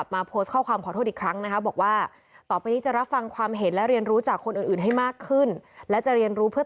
ผมไม่เข้าใจทำไมเราไม่ได้รู้ว่ามันเกิดแบบนั้นทุกวัน